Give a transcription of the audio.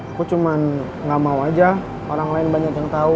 aku cuma gak mau aja orang lain banyak yang tahu